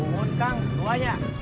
bukut kang bukutnya